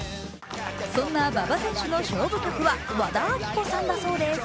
そんな馬場選手の勝負曲は和田アキ子さんだそうです。